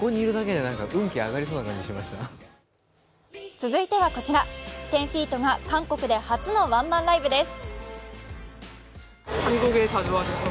続いてはこちら１０−ＦＥＥＴが韓国で初のワンマンライブです。